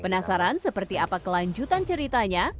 penasaran seperti apa kelanjutan ceritanya